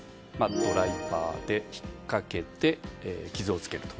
ドライバーで引っかけて傷をつけると。